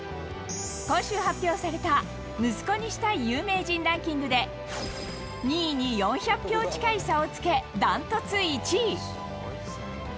今週発表された息子にしたい有名人ランキングで、２位に４００票近い差をつけ、断トツ１位。